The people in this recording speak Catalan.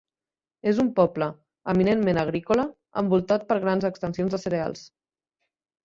És un poble eminentment agrícola envoltat per grans extensions de cereals.